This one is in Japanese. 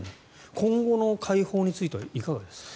今後の解放についてはいかがですか。